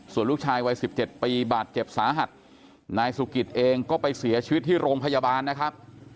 ส่วนลูกชายวัย๑๗ปีบาดเจ็บสาหัสนายสุกิตเองก็ไปเสียชีวิตที่โรงพยาบาลนะครับ